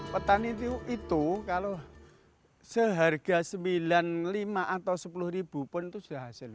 petani itu kalau seharga rp sembilan puluh lima atau sepuluh pun itu sudah hasil